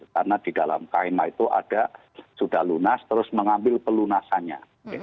karena di dalam kmh itu ada sudah lunas terus mengambil pelunasannya